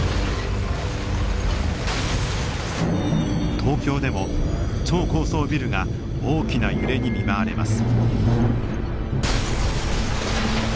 東京でも超高層ビルが大きな揺れに見舞われます。